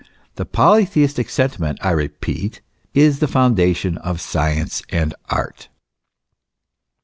The polytheistic sentiment, I repeat, is the foundation of science and art.